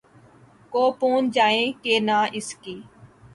کو پہنچ جائے کہ نہ اس کی